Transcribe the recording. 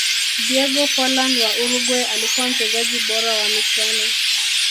diego forlan wa uruguay alikuwa mchezaji bora wa michuano